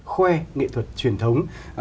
khoe nghệ thuật truyền thống